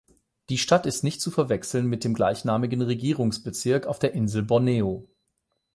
Die Stadt ist nicht zu verwechseln mit dem gleichnamigen Regierungsbezirk auf der Insel Borneo.